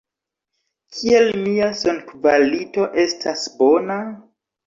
Kiel mia sonkvalito estas bona?